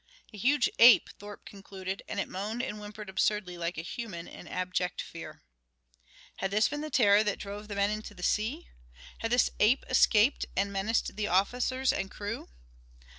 A huge ape, Thorpe concluded, and it moaned and whimpered absurdly like a human in abject fear. Had this been the terror that drove the men into the sea? Had this ape escaped and menaced the officers and crew?